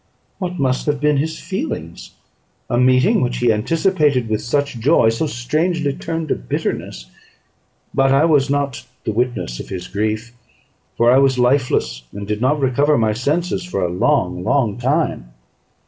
what must have been his feelings? A meeting, which he anticipated with such joy, so strangely turned to bitterness. But I was not the witness of his grief; for I was lifeless, and did not recover my senses for a long, long time.